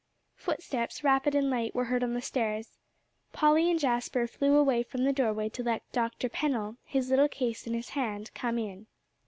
Footsteps rapid and light were heard on the stairs. Polly and Jasper flew away from the doorway to let Dr. Pennell, his little case in his hand, come in.